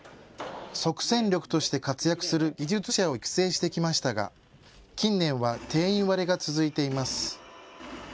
即戦力として活躍する技術者を育成してきましたが近年は定員割れが続いています。